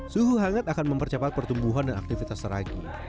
suhu hangat akan mempercepat pertumbuhan dan aktivitas seragi